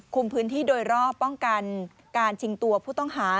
พื้นที่โดยรอบป้องกันการชิงตัวผู้ต้องหา